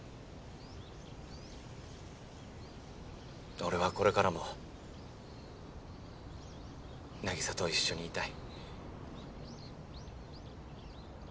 俺はこれからも凪沙と一緒にいたい。